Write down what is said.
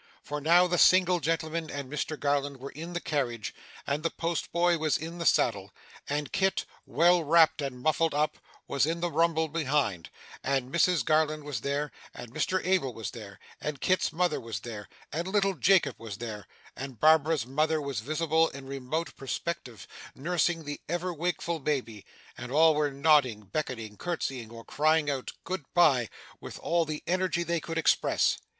For now the single gentleman and Mr Garland were in the carriage, and the post boy was in the saddle, and Kit, well wrapped and muffled up, was in the rumble behind; and Mrs Garland was there, and Mr Abel was there, and Kit's mother was there, and little Jacob was there, and Barbara's mother was visible in remote perspective, nursing the ever wakeful baby; and all were nodding, beckoning, curtseying, or crying out, 'Good bye!' with all the energy they could express.